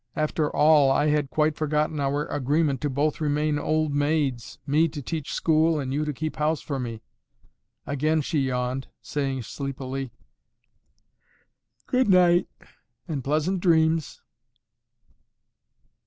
After all I had quite forgotten our agreement to both remain old maids, me to teach school and you to keep house for me." Again she yawned, saying sleepily, "Good night and pleasant dreams."